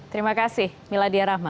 terima kasih miladia rahma